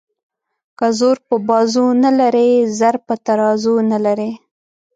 ـ که زور په بازو نه لري زر په ترازو نه لري.